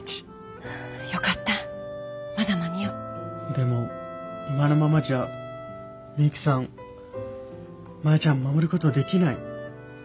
でも今のままじゃミユキさんマヤちゃん守ることできない。